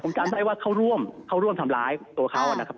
จำได้ว่าเขาร่วมเขาร่วมทำร้ายตัวเขานะครับ